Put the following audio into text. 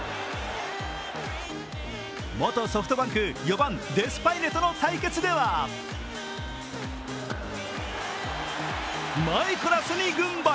元ソフトバンク、４番デスパイネとの対決ではマイコラスに軍配。